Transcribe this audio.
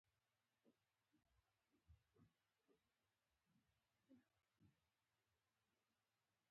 د هغې سږمې وپړسېدلې.